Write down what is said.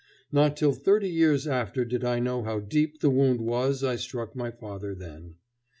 Not till thirty years after did I know how deep the wound was I struck my father then.